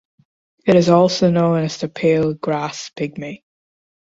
It is also known as the pale grass pygmy.